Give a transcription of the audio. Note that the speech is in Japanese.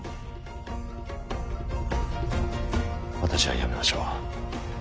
私はやめましょう。